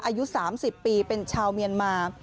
อายุ๓๐ปีเป็นชาวเมียนมา